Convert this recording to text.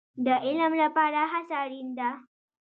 د علم لپاره هڅه اړین ده